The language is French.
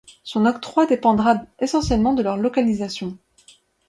Son octroi dépendra essentiellement de leur localisation.